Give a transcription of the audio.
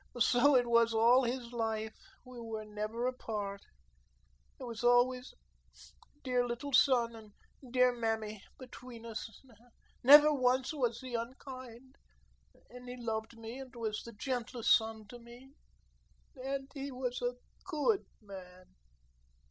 So it was all his life. We were never apart. It was always 'dear little son,' and 'dear mammy' between us never once was he unkind, and he loved me and was the gentlest son to me. And he was a GOOD man.